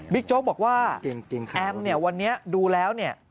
บิ๊กโจ๊กบอกว่าแอมวันนี้ดูแล้ว